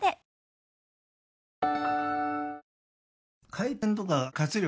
回転とか活力